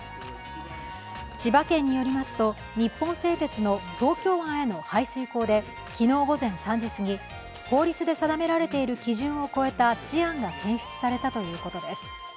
千葉県によりますと、日本製鉄の東京湾への排水口で、昨日午前３時すぎ、法律で定められている基準を超えたシアンが検出されたということです。